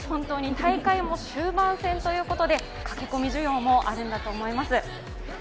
大会も終盤戦ということで駆け込み需要もあるんだと思います。